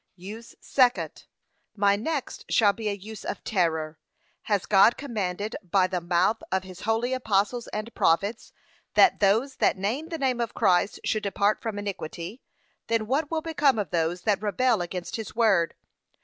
USE SECOND. My next shall be a use of terror. Has God commanded by the mouth of his holy apostles and prophets, that those that name the name of Christ should depart from iniquity: then what will become of those that rebel against his Word.